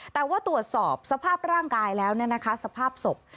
แต่ว่าตรวจสอบสภาพร่างกายแล้วสภาพศพ